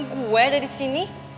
gue ada disini